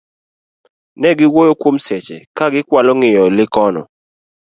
negi wuoyo kuom seche ka gikwalo ng'iyo Likono